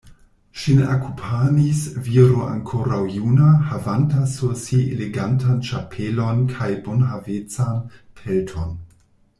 Ŝin akompanis viro ankoraŭ juna, havanta sur si elegantan ĉapelon kaj bonhavecan pelton.